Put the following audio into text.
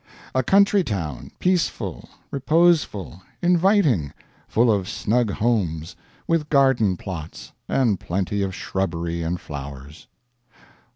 A country town, peaceful, reposeful, inviting, full of snug homes, with garden plots, and plenty of shrubbery and flowers.